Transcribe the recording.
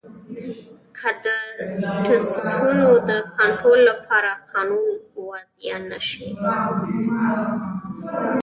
که د ټرسټونو د کنترول لپاره قانون وضعه نه شي.